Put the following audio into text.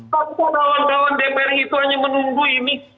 fakta kawan kawan dpr itu hanya menunggu ini